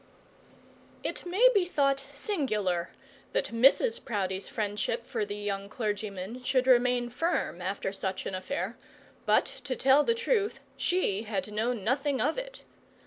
It may be thought singular that Mrs Proudie's friendship for the young clergyman should remain firm after such an affair; but, to tell the truth, she had known nothing of it.